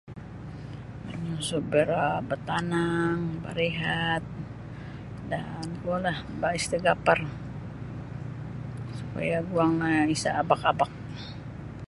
Manyunsub iro batanang barihat dan kuolah baristigafar supaya guang no isa abak-abak.